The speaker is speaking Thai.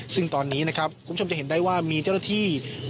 ซึ่งตอนนี้นะครับคุณผู้ชมจะเห็นได้ว่ามีเจ้าหน้าที่